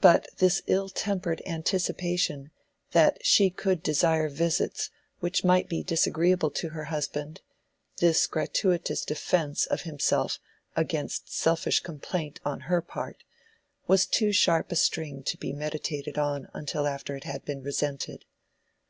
But this ill tempered anticipation that she could desire visits which might be disagreeable to her husband, this gratuitous defence of himself against selfish complaint on her part, was too sharp a sting to be meditated on until after it had been resented.